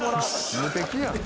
無敵やん。